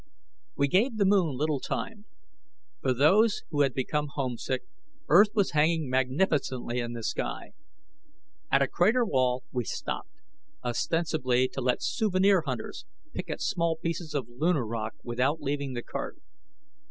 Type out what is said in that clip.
We gave the moon little time. For those who had become homesick, Earth was hanging magnificently in the sky. At a crater wall, we stopped, ostensibly to let souvenir hunters pick at small pieces of lunar rock without leaving the cart.